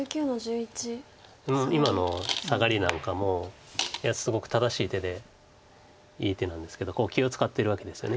今のサガリなんかもいやすごく正しい手でいい手なんですけど気を使ってるわけですよね。